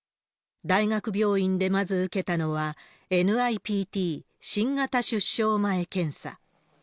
大学病院でまず受けたのは、ＮＩＰＴ・新型出生前検査。